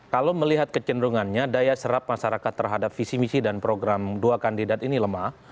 kalau melihat kecenderungannya daya serap masyarakat terhadap visi misi dan program dua kandidat ini lemah